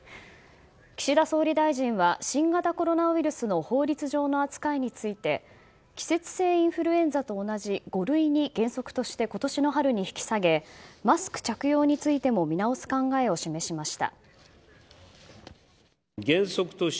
岸田総理大臣は新型コロナウイルスの法律上の扱いについて季節性インフルエンザと同じ五類に原則として今年の春に引き下げマスク着用についても見直す考えを示しました。